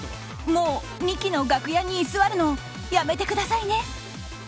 もうミキの楽屋に居座るのやめてくださいね！